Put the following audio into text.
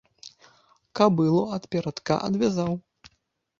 Кабылу ад перадка адвязаў.